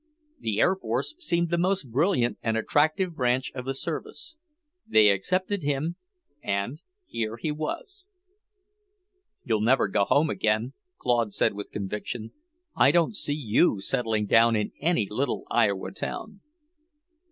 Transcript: The air force seemed the most brilliant and attractive branch of the service. They accepted him, and here he was. "You'll never go home again," Claude said with conviction. "I don't see you settling down in any little Iowa town."